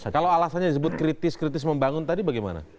kalau alasannya disebut kritis kritis membangun tadi bagaimana